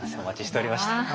お待ちしておりました。